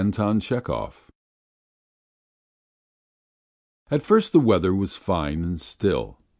THE STUDENT AT first the weather was fine and still.